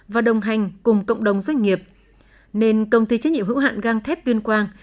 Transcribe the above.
và đồng hành cùng cộng đồng doanh nghiệp nên công ty trách nhiệm hữu hạn găng thép tuyên quang